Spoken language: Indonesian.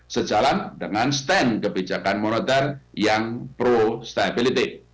sejalan dengan stand kebijakan moneter yang prostability